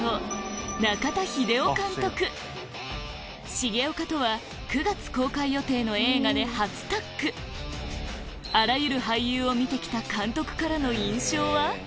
重岡とは９月公開予定の映画で初タッグあらゆる俳優を見てきた監督からの印象は？